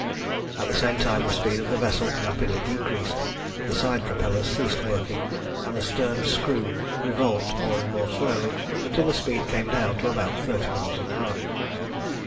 At the same time the speed of the vessel rapidly decreased; the side propellers ceased working, and the stern screw revolved more and more slowly, until the speed came down to about thirty miles an hour.